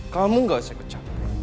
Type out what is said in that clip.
kamu gak usah kecap